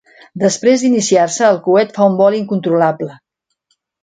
Després d'iniciar-se el coet fa un vol incontrolable.